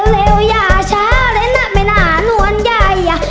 เร็วอย่าช้าเลยน่ะไม่น่านวนย่าย่ะ